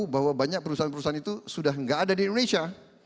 bahwa banyak perusahaan perusahaan itu sudah tidak ada di indonesia